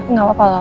nggak apa apa lah